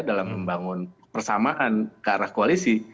dalam membangun persamaan ke arah koalisi